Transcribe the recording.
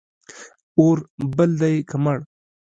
اور بل دی که مړ